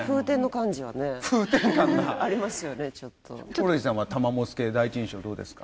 ヒコロヒーさんは玉藻助第一印象どうですか？